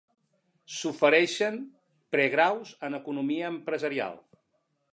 S'ofereixen pregraus en economia empresarial.